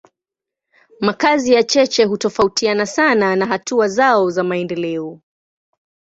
Makazi ya cheche hutofautiana sana na hatua zao za maendeleo.